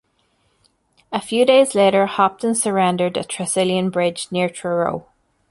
A few days later Hopton surrendered at Tresillian Bridge near Truro.